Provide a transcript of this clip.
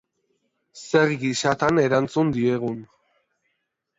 Zer gisatan erantzun diegun.